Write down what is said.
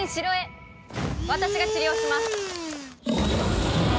私が治療します。